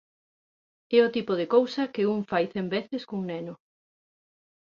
É o tipo de cousa que un fai cen veces cun neno...